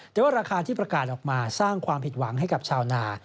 แต่ว่าราคาที่ประกาศออกมาสร้างความผิดหวังให้กับชาวนา